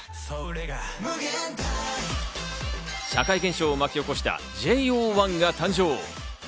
前シーズンでは、社会現象を巻き起こしたＪＯ１が誕生。